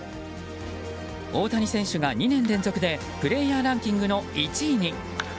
大谷選手が２年連続でプレイヤーランキングの１位に。